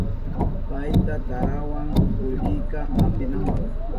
Payka tarawan kullkita apinanpa.